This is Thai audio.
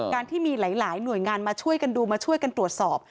การที่มีหลายหน่วยงานมาช่วยกันดูมาช่วยกันตรวจสอบ